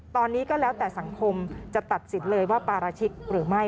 ตอนนี้ก็แล้วแต่สังคมจะตัดสินเลยว่าปาราชิกหรือไม่